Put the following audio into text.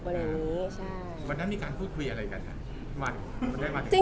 วันนั้นมีการคุยคุยอะไรกันอะวัน